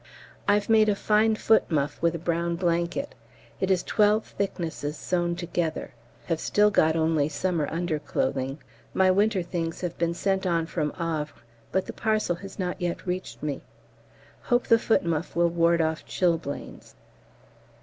I've made a fine foot muff with a brown blanket; it is twelve thicknesses sewn together; have still got only summer underclothing. My winter things have been sent on from Havre, but the parcel has not yet reached me; hope the foot muff will ward off chilblains.